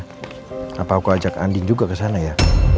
kenapa aku ajak andin juga ke sana ya